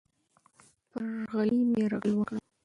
پر غلیم یرغل وکړه.